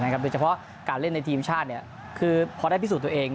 โดยเฉพาะการเล่นในทีมชาติคือพอได้พิสูจน์ตัวเอง